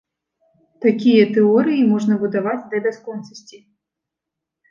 Такія тэорыі можна будаваць да бясконцасці.